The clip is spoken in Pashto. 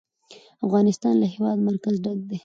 افغانستان له د هېواد مرکز ډک دی.